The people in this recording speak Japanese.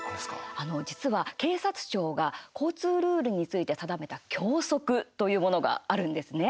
実は、警察庁が交通ルールについて定めた教則というものがあるんですね。